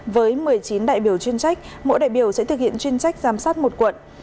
với một mươi chín đại biểu chuyên trách mỗi đại biểu sẽ thực hiện chuyên trách giám sát một quận